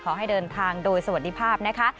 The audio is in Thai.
ขอให้เดินทางโดยสวัสดีภาพนะคะ